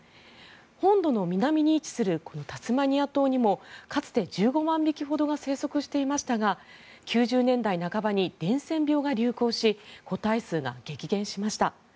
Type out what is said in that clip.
本土の南に位置するタスマニア島にもかつて１５万匹ほどが生息していましたが１９９０年代半ばに伝染病が流行し個体数が激減しました。